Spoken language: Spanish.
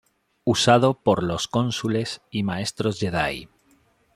Usado por los cónsules y maestros "Jedi".